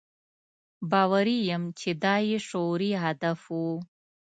باوري یم چې دا یې شعوري هدف و.